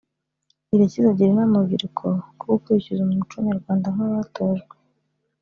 Irakiza agira inama urubyiruko ko gukurikiza umuco Nyarwanda nk’abatojwe